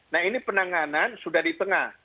nah ini penanganan sudah di tengah